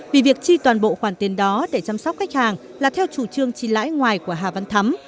vì việc chi toàn bộ khoản tiền đó để chăm sóc khách hàng là theo chủ trương chi lãi ngoài của hà văn thắm